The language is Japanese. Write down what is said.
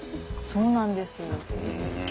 そうなんです。